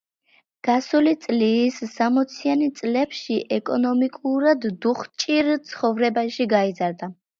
გასული წლის სამოციანი წლებში, ეკონომიკურად დუხჭირ ცხოვრებაში გაიზარდა.